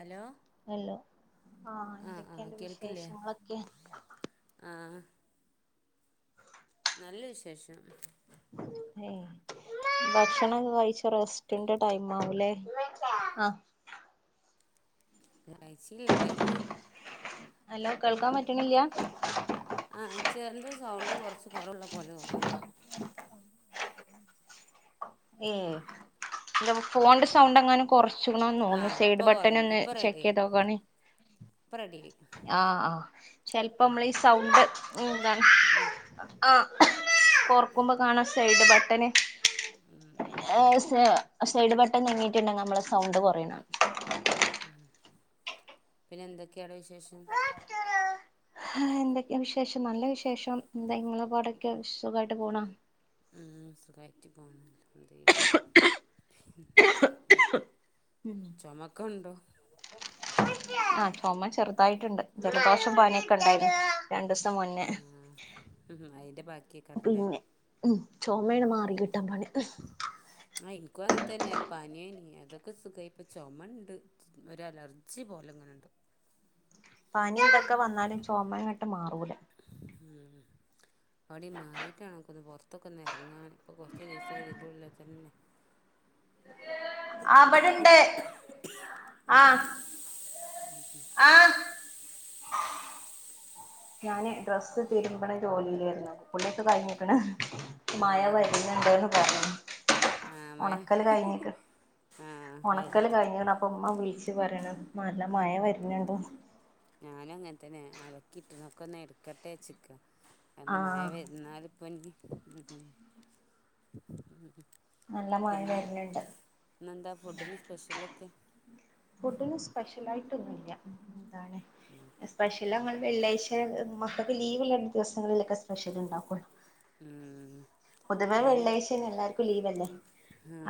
Hello hello ആ ആഹ് ആഹ് എന്തൊക്കെയുണ്ട് കേൾക്കില്ലേ വിശേഷങ്ങളൊക്കെ? ആഹ് നല്ല വിശേഷം ഏ ഭക്ഷണൊക്കെ കഴിച്ച് റെസ്റ്റിന്റെ ടൈം ആവൂലേ ആ കഴിച്ചീല്ല കഴിക്കണം ഹലോ കേൾക്കാൻ പറ്റണില്ല? ആ ചെറിന്റെ സൗണ്ട് കൊറച്ച് കൊറവുള്ള പോലെ തോന്ന്ണ്ട് ഏഹ് ന്റെ ഫോണിന്റെ സൗണ്ട്ങ്ങാനും കൊറച്ച് ച്ച്ക്കണോന്ന്ന്നോണ് ആഹ് സൈഡ് ഇപ്പൊ കുറഞ്ഞു ബട്ടനൊന്ന് ഇപ്പൊ റെഡിയായി ചെക്കെയ്തോക്കാണീ ഇപ്പൊ റെഡിയായി ആഹ് ആഹ് ചെലപ്പം നമ്മളീ സൗണ്ട് എന്താണ് ഉം ആഹ് കൊറക്കുമ്പോ കാണാ സൈഡ് ബട്ടന്. ഉം ഉം ഉം ഏഹ് സൈഡ് ബട്ടൺ നീങ്ങീയിട്ടുണ്ടെങ്കിൽ നമ്മളെ സൗണ്ട് കൊറയിന്നാ. ഉം ഉം പിന്നെ എന്തൊക്കെയാണ് വിശേഷം? എന്തൊക്കെ വിശേഷം നല്ല വിശേഷം എന്താങ്ങളെ പാടൊക്കെ സുഖമായിട്ട് പോണോ? ഉം സുഖായിട്ട് പോണ് അൽഹംദുലില്ലാഹ്. ഉം [unintelligible] ചൊമക്കുണ്ടോ? ആഹ് ചൊമ ചെറുതായിട്ടിണ്ട് ജലദോഷം പനിയൊക്കെ ഉണ്ടായിനി. രണ്ടൂസം മുന്നേ ആഹ് ഉം അതിന്റെ ബാക്കിയേക്കാരല്ലേ പിന്നെ ഉം ചൊമേണ് മാറി കി ട്ടാൻ പണി. ആ ഹ് എനിക്കും അങ്ങനെ തന്നെ പനി അതൊക്കെ സുഖമായി ഇപ്പോൾ ചുമ ഉണ്ട് ഒരു അലർജി പോലെ ഇങ്ങനെയുണ്ട്. പനി ഇതൊക്കെ വന്നാലും ചുമയങ്ങട്ട് മാറൂല. ഉം അവിടെ മാറിട്ടാണൊന്നു പുറത്തക്കെ ഒന്ന് ഇറങ്ങാൻ ഇപ്പോ കൊറച്ച് ദിവസായി ഇതിന്റെ ഉള്ളിൽ തന്നെ. അവിടുണ്ട് ആഹ് ആഹ് ഞാന് ഡ്രസ്സ് തിരുമ്പണ ജോലിയിലായിരുന്നു. കുളിയൊക്കെ കഴിഞ്ഞിക്കണ് മയ ആഹ് വരുന്നുണ്ടന്ന് പറയാ ആഹ് മഴ ഉണക്കല് കഴിഞ്ഞിക്കണ് ആഹ് ഉണക്കല് വൈകത്തിട്ട് കഴിഞ്ഞാണ് അപ്പ ഉമ്മ വിളിച്ചു പറയണ് മ നല്ല മഴ വര്ണ് ഇണ്ട് അലെക്കി ഇട്ട്ണ് ഒക്കെ നെര്ക്കെട്ടെച്ച്ക്കാ ആ കാര്ണം മഴ വെര്ന്നാൽ ഇപ്പം ഇഞ് നല്ല മഴ വെര്ന്ന് ഇണ്ട് എന്താ ഫുഡ്ഡ്ന് സ്പെഷെൽ ഒക്കെ? സ്പെഷെൽ ആയിട്ട് ഒന്നും ഇല്ല ന്താണ് സ്പെഷെൽ അങ്ങൾ വെള്ളിയാഴ്ച മക്കക്ക് ലീവ് രണ്ട് ദിവസങ്ങളിലൊക്കെ സ്പെഷ്യൽ ഉണ്ടാക്കുള്ളൂ ഉം ഞാനും പുതുവേവെള്ളാഴ്ച എല്ലാവർക്കും ലീവ്ല് മഹ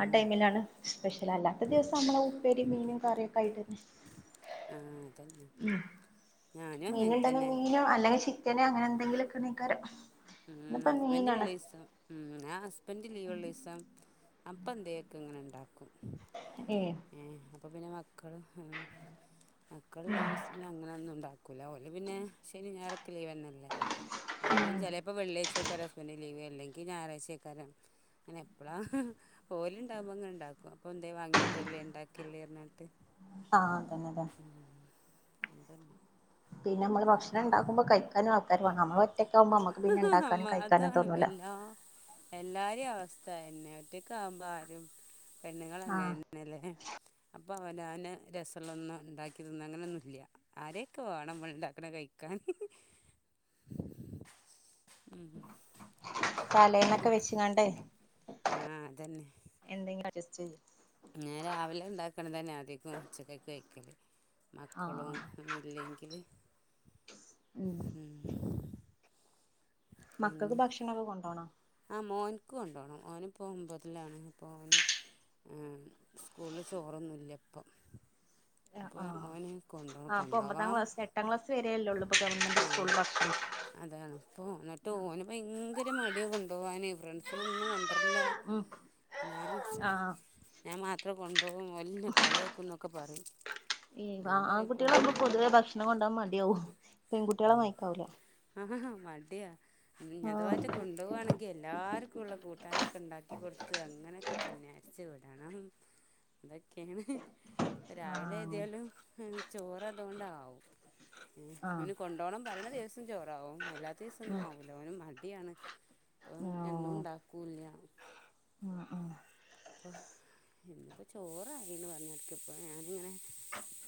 ആ ടൈമിലാണ് സ്പെഷ്യൽ അല്ലാത്ത ദിവസം നമ്മളെ ഉപ്പേരി മീനും കറിയൊക്കെ ആയിട്ട തന്നെ ആഹ് അതന്നെ ഞാനും അങ്ങനെ മീനണ്ടങ്കിൽ തന്നെ മീന അല്ലെങ്കിൽ പിനെ അങ്ങനെ എന്തങ്കിലൊക്കൊണ്ക്കാരം ഉ ഹസ്ബൻഡ ഉള്ള ഇസം ഉ ഞാൻ ഹസ്ബൻഡ് ലീവ് ഉള്ള ഇസാം അപ്പ എന്തയൊക്കെ ഇങ്ങനെ ഉണ്ടാക്കും ഏ അപ്പ പിന്ന അമ മക്കൾ മക്കള അങ്ങനെ ഒന്നും ഉണ്ടാക്ക കുല കൊല്ല പിന്നെ ശനി ഞാറ ലീവന്നല്ലേ അ ച വെള്ളിയാഴ്ച ആക്കാര ഹസ്ബൻഡ് ലീവ് അല്ലെങ്ക ഞായറാഴ്ചയക്കാരും അങ്ങനെ എപ്പഴാ പോല ഉണ്ടകുമ്പോ അങ്ങനെ ഉണ്ടാക്കും അപ്പൊ എന്ത വാങ്ങിയൊണ്ടിരല്ലേ ഉണ്ടാക്കല്ലേ ഇറിഞ്ഞിട്ട് ആഹ ഉം നതൽല്ല പിന്നെ നമ്മള് ഭക്ഷണം ഉണ്ടാക്കുമ്പോ കഴ കാനും ആൾക്കാാര് വണം നമ്മൾ ഒറ്റക്ക ആകുമ്പോ നമ്മുക്ക് പിന്നെ അമ്മ ഉണ്ടാക്കാനും കഴിക്കാനും അതാണ് തോന്നൂല തന്നെ ഒറ്റക്ക ആവുമ്പോ ആരും പെണ്ണുങ്ങൾ ആ അങ്ങനന്നെല്ലേ അപ്പം അവനവന് രസമൊന്നും ഉണ്ടാക്കിന്ന അങ്ങനൊന്നുമില്ല ആരെയൊക്കെ വേണം ഉണ്ടാക്കണ കഴിക്കാാന്ൻ പലന്നൊക്കെ പിന്നെ വെച്ചിങ്ങണ്ടേ ആ അതന്നെ എന്തെങ്കിലും ചെയരി ഞാൻ രാവിലെ ഉണ്ടാക്കണ തന്നെ അധികം ഉച്ചക്ക ക കഴിക്കല് മക്കളും ആഹ് ഒന്നുംല്ലെങ്കിൽ ഉം മക്കൾക്ക് ഭക്ഷണംമൊക്കെ കൊണ്ടുോണ ആ മോനക്ക് കൊണ്ടുപോണം മോന് ഇപ്പോൾ മുമ്പതിലാണ് അപ്പോൾ ഓന് സ്കൂളിൽ ചോറൊന്നുമില്ല അപ്പം ആഹ് അ ആഹ് ആഹ് അപ്പൊ ഒമ്പതാം ക്ലാസ് എട്ടാം ക്ലാസ് വരെയല്ലേള്ളൂ ഇപ്പൊ ഗവൺമെന്റ് സ്കൂൾ ഭക്ഷണം കൊണ്ടി് മടിയ കൊണ്ട് പോവാന് ഫ്രണ്ട്സുകളൊന്നും കൊണ്ടരില്ല ഉം ഞാൻ ആഹ് ഞാൻ മാത്രമേ കൊണ്ട വലിയ കളിയാക്കും എന്നൊക്കെ പറയും ഞാൻ പറയും ആൺകുട്ടികളെ കൊണ്ട് നക്ക് പൊതുവെ ഭക്ഷണം കൊണ്ടാൻ മടിയാവും പെൺകുട്ടികളെ മായിക്കാവൂല മടിയ അത്വാറ്റെ കൊണ്ടു പോവാണെങ്കിൽ എല്ലാർക്കും ഉള്ള കൂട്ടാനൊ ഒക്ക ഉണ്ടാക്കി കൊടുത്ത് അങ്ങനെയൊക്കെ പിന്നെ അരച്ച വിടണം അതൊക്കെയാണ് ആഹ് രാവിലെ അങ്ങനെ എഴതിയാലും ചോറതുകൊണ്ടാവും ഉ ആഹ് അവന് കൊണ്ടുപോണം പറരണ ദിവസം ചോറാവും ല്ല അത്യാവസംന്നും ആകില്ല അവ മ കതെയാണ് അപ്പം ഉം എന്നും ഓഹ് ഉണ്ടാക്കില്ല ഉം ഉം അപ്പോൾ ഇന്നിപ്പോൾ ചോറായിന്ന് പറഞ്ഞടുക്ക ഇപ്പോൾ ഞാനിങ്ങനെ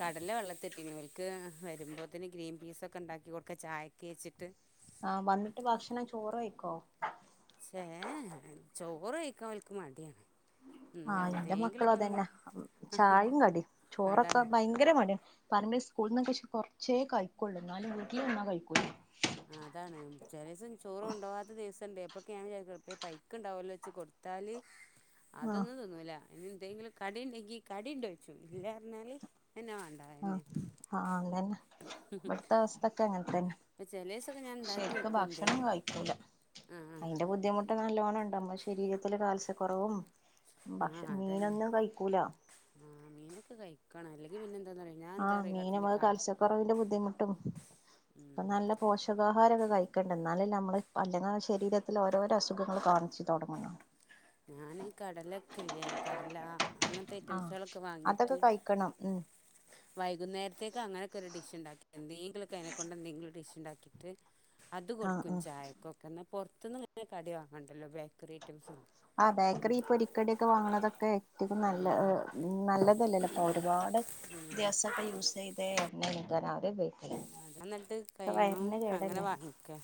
കടലെ വെള്ളത്തിട്ടീവക്ക് വരുമ്പോത്തന്നന് ഗ്രീൻ പീസൊക്കെ ഉണ്ടാക്കി കൊടുക്ക ചായൊക്കെ വെച്ചിട്ട് ആഹ വന്നിട്ട് ഭക്ഷണം ചോറ് കഴിക്കോ ഏഹ ചോറ് കഴിക്കാൻ ഓൽക്ക് മടിയാണ് ആഹ എന്നാലും എന്റെ മക്കള എന്തെങ്കിലൊക്കെ ഒന്ന് അതന്നെ ചായയും കടിയും ചോറൊക്കെ അതാണ് ഭയങ്കര മടും പറമ്പേ സ്കൂളിലിന്നു കുറച്ചേ കഴിക്കൊുള്ളൂ ന്നാലും വീട്ടിൽ വന്ന കഴിക്കൂല അതാണ് ചെല ദിവസം ചോറും കൊണ്ടോവാത്ത ദിവസം എപ്പോഴൊക്ക ഞാൻ വിചാരിക്കും പൈക്ക് ഉണ്ടാവുമല്ലോ വെച്ച് കൊടുത്താല് ആഹ് അതൊന്നും തിന്നൂല്ല അ എന്തെങ്കിലും കടി ഉണ്ടെങ്കി കടിണ്ടോ ചോയ്ച്ചും ഇല്ലപറഞ്ഞാല് ആഹ് ആഹ് ങ്ങനെ വിടുത്ത അവസ്തക്ക അങ്ങത്തെ അപ്പം ചില ദിവസമൊക്കെ ഞാൻ ഉണ്ടാക്കി ശരിക്ക് വെക്കും ഭക്ഷണം എന്തെങ്കിലും കഴിക്കൂല ആ അതിന്റെ ബുദ്ധിമുട്ട് നല്ലോണ്ണം ഉണ്ടമ്മ ശരീരത്തില്ൽ കാൽസ്യ കുറവും ആഹ അതന്നെ ആഹ മീനൊക്കെ കഴിക്ക കണ അല്ലങ്കിൽ പിന്നെ എന്താന്ന് പറയുക ഞാൻ എന്താ ആഹ പറയുക മീൻ നമ്മ കടലിൽ കട കാൽസ്യക്കുറവിന്റെ ബുദ്ധിമുട്ടും ഇപ്പ ഉം നല്ല പോഷകാഹാരൊക്കെ കഴിക്കണ്ട എന്നാല നമ്മള് അല്ല ശരീരത്തിലൽ ഓരോരോ അസുഖങ്ങൾ കാണിച്ചു തുടങ്ങുന്നു ഞൻ കടലൊക്കല്ലേ കടല അങ്ങെൻത്തെ ആഹ് ഐറ്റംസാളൊക്കെ വാങ്ങിയിട്ട് അതൊക്കെ കഴിക്കണം ഉം വൈകുന്നേര്ത്തേക്ക് അങ്ങനെയൊക്കെ ഒര് ഡിഷ് ഇണ്ടാക്കാ എന്തെങ്കിലും അയിനെ കൊണ്ട് എന്തെങ്കിലും ഡിഷ് ഇണ്ടാക്കിട്ട് അത് ആഹ് കൊട്ക്കും ആഹ് ചായക്കൊക്കെ ഇന്നാ പൊർത്ത്ന്ന് ഇങ്ങെനെ കടി വാങ്ങണ്ടെല്ലോ ബേക്കെറി ഐറ്റംസ് ഒന്നും ആഹ് ബേക്കെറി ഈ പൊരിക്കടിയൊക്കെ വാങ്ങ്ണെത് ഒക്കെ റ്റെക്കും നല്ല ഉം എഹ് നല്ലെത് അല്ലല്ലോ ഇപ്പം ഒര്പാട് ഉം വ്യത്യാസൊക്കെ യൂസ് ചെയ്തെ എണ്ണെണെയ് ത് യാൻ ആദ്യെ ഉപെ ആഹ് അത് അന്ന്ട്ട് കയ്യണൊയും അങ്ങനെ കേടല്ലേ വാങ്ങിക്കാ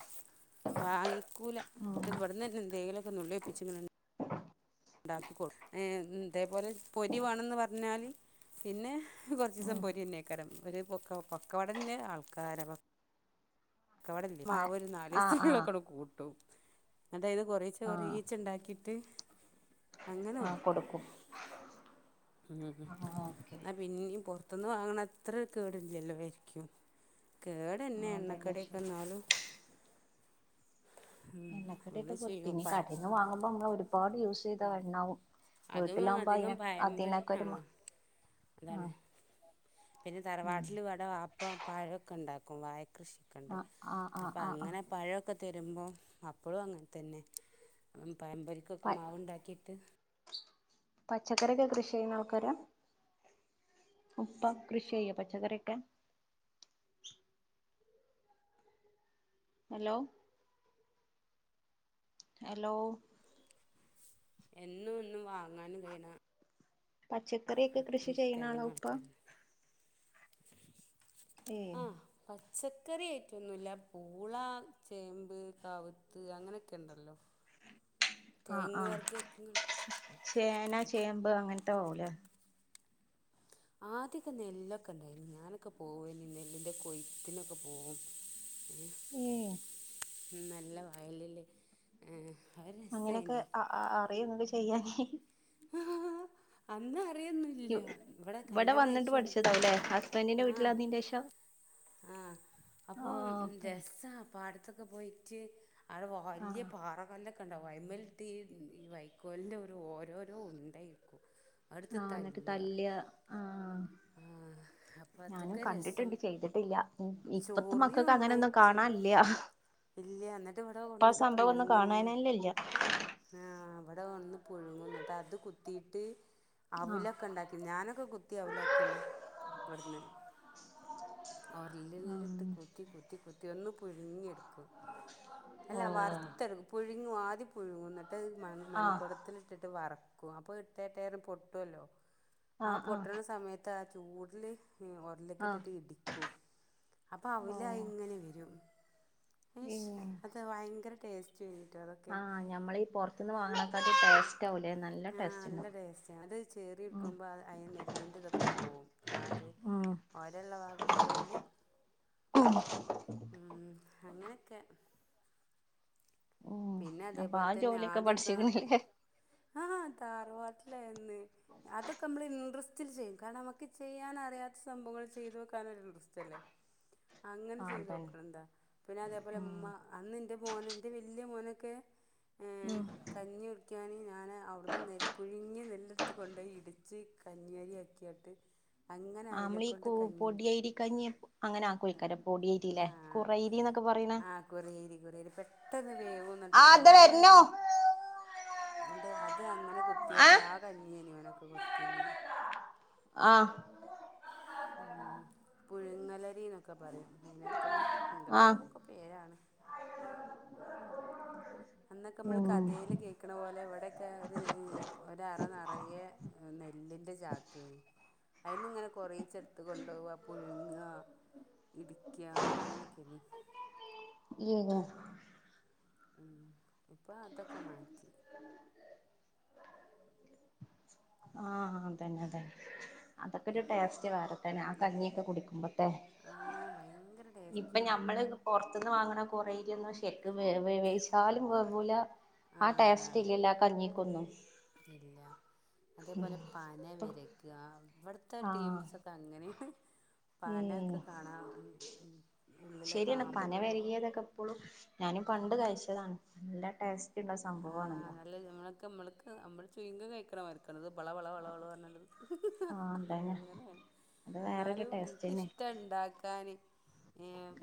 വാങ്ങിക്കുലാ ഉം ട്ട് ഇവെട്ന്നെന്നെ എന്തെങ്കിലും നുള്ളി ഒപ്പിച്ച് ഇങ്ങെനെ ഉണ്ടാക്കി കൊടുക്കും ഇതേപോലെ പൊരി വേണെന്ന് പറഞ്ഞാൽ പിന്നെ- കുറച്ച് ദിവസം ഉം പോരി തന്നെവെക്കാരം ഇവര് പൊക്ക പക്കാവടെന്റെ ആൾക്കാര പ- പക്കാവടേന്റെ ആഹ് മാവ് ഒരു നാല് ആഹ് ആഹ് ദിസലൊക്കെ കൂട്ടും അതായത് കൊറേചെ ആഹ് കൊറേചെ ഉണ്ടാക്കിട്ട് ത്തി [unintelligible] അങ്ങനെ ആഹ് ഒക്കും കൊടുക്കും ഉം ആഹ് ഓക്കെ ആ പിന്നെ പുറത്തുന്ന് വാങ്ങണ അത്ര കേടില്ലല്ലോ അരിക്കും കേട് തന്നെ ആഹ് അതന്നെ എണ്ണക്കടിയോക്കെ ശരി എന്നാലും - എണ്ണക്കടി കൊടുത്തിനീ ചെയ്യും ഇനി പയം കടേന്ന് വാങ്ങുമ്പോൾ ഇങ്ങ വരും ഒരുപാട് യൂസ് ചെയ്ത എണ്ണവും അതും വീട്ടിലാകുമ്പോ അധികം അതിന പയംപൊരി അതിനക്കെ ആ ഒരു- അതാണ് പിന്നെ ഉം തറവാട്ടിൽ ഇവിടെ ബാപ്പ ഉമ്മായൊക്കെ ഉണ്ടാക്കും [unintelligible] കൃഷിയൊക്കെണ്ട് ആഹ് ആഹ് ആഹ് അപ്പൊ ആഹ് അങ്ങനെ പഴമൊക്കെ- തരുമ്പോ അപ്പഴും അങ്ങനെ തന്നെ പയമ്പരിക്കൊക്കെ മാവ് ഉണ്ടാക്കിയിട്ട് പച്ചക്കറെക്കെ കൃഷി ചെയ്യ്ണ ആൾക്കാര ഉപ്പ അഷിവെയിൽ പച്ചക്കറിയൊ ഹെലോ ഹെലോ എന്നും ഇന്നും വാങ്ങാനും കയ്യ്ണ പച്ചക്കറൊക്കെ കൃഷി ചെയ്യണാണോ ഉപ്പ ആൾക്കാരുണ്ട് ഏയ് ആഹ് പത്, പച്ചക്കറിആയിട്ടോന്നുല്ല പൂള, ചേമ്പ്, കാവുത്ത് അങ്ങനെയൊക്കെ ഉണ്ടല്ലോ ആഹ കിഴങ്ങ് ആഹ വർഗ്ഗങ്ങള് ചേന, ചേമ്പ് അങ്ങനെ ആവുലെ ആദ്യൊക്കെ നെല്ലൊക്കെ ഉണ്ടായി ഞാനൊക്കെ പോകെനീ നെല്ലിന്റെ കൊയ്ത്തിനൊക്കെ പോവും ഏയ് നല്ല വയലില് ഏഹ് അത് അങ്ങനെയൊക്കെ രസേനി അ അറിയുന്നുണ്ട് ചെയ്യാനെ അന്ന് അറിയൊന്നുല്ല ഇവിടെ കല്യാണം വന്നിട്ട് കഴിച്ചോണ്ട് പഠിച്ചതാവു ല്ലേ ഹസ്ബന്റിന്റെ വീട്ടില് വന്നേന് ശേഷം ആഹ അപ്പം രസാ പാടത്തൊക്കെ പോയിട്ട് ആവിടെ വലിയ ആഹ് പാറകല്ലൊക്കെ കണ്ട വൈമലത്തീ ഈ വൈക്കോലിൻ്റെ ഒരു ഓരോരോ ഉണ്ടായിരിക്കും ആഹ എന്നിട്ട് തല്ല് ആഹ ആഹ് അപ്പൊ ഞാനും അതൊക്കെ രസം കണ്ടിട്ടുണ്ട് ചെയ്തിട്ടില്ല ഇപ്പത്തെ ചോറിയും മക്കൾക്ക് അങ്ങനെൊന്നും ഒന്നായിട്ട് കാണാനില്ല ഇല്ല എന്നിട്ട് ഇവിടെ ഇപ്പൊ ആ സംഭവംഒന്നും കാണാനന്നേ ഇല്ല ആഹ അവിടെ വന്ന് പുഴുങ്ങും ന്നട്ട് അതിൽ കുത്തിട്ട് ആഹ് അവ്ലൊക്കെ ഉണ്ടാക്കി ഞാനൊക്കെ കുത്തി അവലാക്കിന്ന് ഇവടന്ന് ആഹ് ഒര്ലില്ട്ട് കൂത്തി കൂത്തി കൂത്തി ഒന്ന് പുഴുങ്ങിയെടുക്കും അല്ല ഓഹ് വറുത്തെടു പുഴുങ്ങു ആദ്യ പുഴുങ്ങ ആഹ് മൺകുടത്തിൽ ഇട്ടിട്ട് വറക്കും അപ്പൊ ഇട്ടേട്ട പൊട്ടുവല്ലോ ആ ആഹ് ആഹ് പൊട്ടണ സമയത്ത് ചൂടല ഒരലിലേക്ക് ആഹ് ഇട്ടിട്ട് ഇടിക്കും അപ്പൊ അവല ഓഹ് ഇങ്ങനെ വരും അത് ഭയങ്കര ടേസ്റ്റ് വ ആഹ ഞമ്മളീ പ പന്ന് വാങ്ങണക്കാത്തെ പ ആ നല്ല ടേസ്റ്റ അത് ചെറി ഉം എടുക്കുമ്പോ അതി നെല്ലിന്റെ ഇതൊക്കെ പോകവും ആ ഒരു ഉം രള്ള ഭാഗം തോല് ഉ അങ്ങനെ ക്കെ ഉം പിന്നെ അപ്പൊ അതേപോലെ ആ തന്നെ ജോലിയൊക്കെ ആധ്യക പഠിച്ചിക്കണില്ലേ ആ താറവാട്ടില എന്ന് അതൊക്കെ നമ്മള് ഇൻട്രസ്റ്റിൽ ചെയ്യും കാരണം നമ്മക്ക് ചെയ്യാൻ അറിയാത്ത സംഭവങ്ങൾ ചെയ്ത് വെക്കാന ഇൻട്രസ്റ്റ് അല്ലേ അങ്ങനെ ആഹ് ചെയ്ത് അതന്നെ നോക്കണണ്ടാ പിന്നെ അതേപോലെ ഉം അമ്മ അന്ന് എന്റെ മോനെ എൻ്റെ ഇല്ലേ മോനൊക്കെ ആ ഉം കഞ്ഞികു ഞാന് ഞാന് അവിടുന്ന് നെല് പുഴുങ്ങി നെല്ലെടുത്ത് കൊണ്ടോയി ഇടിച്ച് കഞ്ഞി അരി ആക്കിയിട്ട് അങ്ങനെ ആ മ്മളീ അതിനെക്കൊണ്ട് പൊടിയരി കഞ്ഞി അങ്ങനെ ആക്കോയ്ക്കാര പൊടിയരിലെ ആ കുറയരി എന്നൊക്കെ പറയ്ന്ന ട്ടന്ന് ആ ദേ വരുണു അണ്ട് അത് അങ്ങനെ കുത്തിയിട്ട് ആ ക ഞ്ഞി ആനിവനൊക്കെ കൊടുത്തിഞ്ഞ് ആഹ് ഉം പുഴുങ്ങലരിന്നൊക്കെ പറയും അയിനൊക്കെ ആഹ് എന്തക്കോക്കെ പേരാണ് അന്നൊക്കെ നമ്മള് കഥയിൽ കേക്കണ പോലെ വ പണ്ടൊക്കെ ഒര് ഒരു അറ നിറയെ നെല്ലിൻ്റെ ചാക്കാര്ന്ന് അതിന്ന് ഇങ്ങനെ കുറച്ചേ എടുത്ത് കൊണ്ടുപോകുക പുഴുങ്ങുക ഇടിക്കുക അങ്ങനെക്കെയാന് ഉം ഉം ഇപ്പൊ അതൊക്കെ മാറ്റി ആഹ് അതന്നെ അതന്നെ അതൊക്കെ ഒരു ഇപ്പൊ ടേസ്റ്റ് വേറെത്തന്ന അ കഞ്ഞിയൊക്കെ കുടിക്കുമ്പോൾ ആ ഭയങ്കര ഇപ്പൊ ടേസ്റ്റുവാ ഞമ്മള് പുറത്തന്ന് വാങ്ങണ കൊറേ അരിയൊന്നും ശരിക്കും വേവ വേവിച്ചാലും വേവുല്ലാ ആ ടേസ്റ്റ് ഇല്ലല്ലാ ആ കഞ്ഞിക്കൊന്നു ഇല്ല അതേപോലെ പന വിരക്കുക ഇവിടെ [unintelligible] ആഹ് ടീംസ് ഒക്കെ അങ്ങനെയാണ് പന ഉം ഒക്കെ കാണാ ഉം ഉം ഉള്ളിലൊക്കെ ശരിയാണ് പന ആമ്പൊക്കെ കൊ വരികിയതൊക്കെ ഇപ്പോളും ഞാനും പണ്ട് കഴിച്ചതാണ് നല്ല ടേസ് റ്റുള്ള സംഭവ ആണല്ലോ ക്ക് നമ്മള് ചൂയിഗം കഴിക്കണമാർക്കാണതോ വളവളവളവളം പറഞ്ഞേണ്ട് ആഹ് അതന്നെ അങ്ങനെയാണ് അത് വേറൊരു എന്നാലും ടേസ്റ്റന്നെ എനക്കിഷ്ട ഉണ്ടാക്കാൻ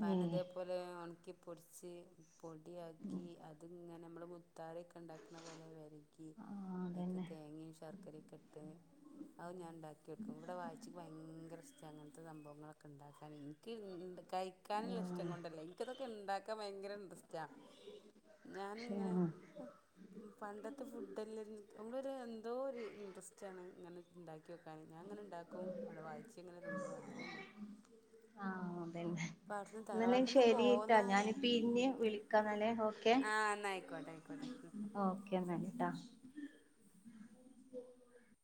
പന ഏഹ് ഇതേപോലെ ഒണക്കി പൊടിച്ച് പൊടിയാക്കി അതിങ്ങനെ നമ്മൾ മു മുത്താരെക്കെ ഉണ്ടാക്കുന്ന പോലെ വെരക്കി ആഹ് അതിക്ക് അതന്നെ തേങ്ങയും ശർക്കരയൊക്കെ ഇട്ട് അ ഞാൻ ഉണ്ടാക്കിക്കും ഇവിടെ വായിച്ചിക്ക് ഭയങ്കര ഇഷ് അങ്ങനത്തെ സംഭവങ്ങളൊക്കെ ഇണ്ടാക്കാൻ എനിക്ക് ഇണ്ട് കഴിക്കാനുള്ള ഇഷ്ടം ഏഹ് കൊണ്ടല്ല എനിക്കതൊക്കെ ഇണ്ടാക്കാൻ ഭയങ്കര ഇൻട്രസ്റ്റാ ഞാനിങ്ങനെ പക്ഷെ പണ്ടത്തെ ഫുഡല്ല നമ്മളൊരു എന്തോ ഒരു ഇൻട്രെസ്റ്റ് ആണ് ഇങ്ങനെ ഇണ്ടാക്കി വെക്കൻ ഞാൻ അങ്ങനെ ഇണ്ടാക്കും അവിടെ വാവിച്ചി ഇങ്ങനെ തിന്നും അങ്ങനെന്നെ ആഹ് അതന്നെ എന്നല്ല ശരിട്ടാ ഞാനി പിന്നെ വിളിക്കാംന്നല്ലെ ഓ ആഹ് എന്നാ ആയിക്കോട്ടെ ആയിക്കോട്ടെ [unintelligible]